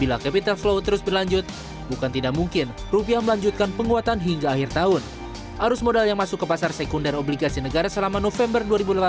arus modal yang masuk ke pasar sekunder obligasi negara selama november dua ribu delapan belas